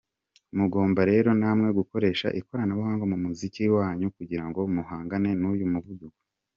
Mugomba rero namwe gukoresha ikoranabuhanga mu kazi kanyu kugira ngo muhangane n’uyu muvuduko”.